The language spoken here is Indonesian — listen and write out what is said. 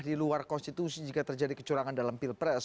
di luar konstitusi jika terjadi kecurangan dalam pilpres